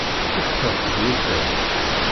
Kkuffteɣ seg wurfan.